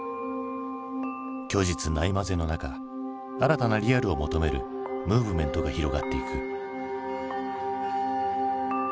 虚実ないまぜの中新たなリアルを求めるムーブメントが広がっていく。